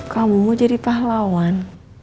kamu jadi pahlawan